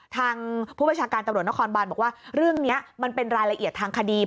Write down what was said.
ทางผู้บัญชาการตำรวจนครบานบอกว่าเรื่องนี้มันเป็นรายละเอียดทางคดี